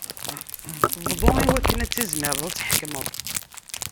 Bḍu iwakken ad tizmireḍ ad tḥekmeḍ.